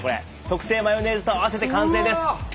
特製マヨネーズと合わせて完成です。